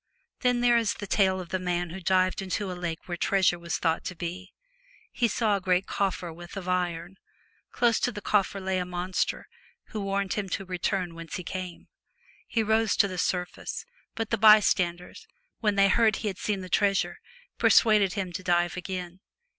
Then there is the tale of the man who dived into a lake where treasure 180 was thought to be. He saw a great coffer A Remon strance with of iron. Close to the coffer lay a monster, Scotsmen. who warned him to return whence he came. He rose to the surface ; but the bystanders, when they heard he had seen the treasure, persuaded him to dive again.